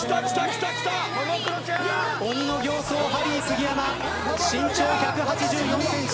鬼の形相、ハリー杉山身長１８４ｃｍ